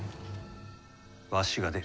わしが出る。